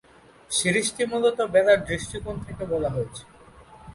সিরিজটি মূলত বেলার দৃষ্টিকোণ থেকে বলা হয়েছে।